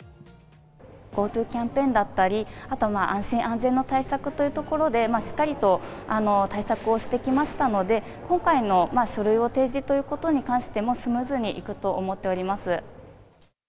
ＧｏＴｏキャンペーンだったり、痕安心安全の対策というところでしっかりと対策をしてきましたので、今回の書類を提示ということに関してもスムーズにいくと思っております。